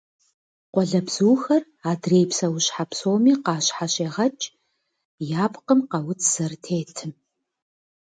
Къуалэбзухэр адрей псэущхьэ псоми къащхьэщегъэкӏ я пкъым къэуц зэрытетым.